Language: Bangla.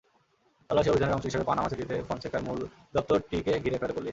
তল্লাশি অভিযানের অংশ হিসেবে পানামা সিটিতে ফনসেকার মূল দপ্তরটিকে ঘিরে ফেলে পুলিশ।